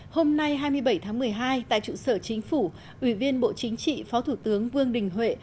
hôm nay hai mươi bảy tháng một mươi hai tại trụ sở chính phủ ủy viên bộ chính trị phó thủ tướng vương đình huệ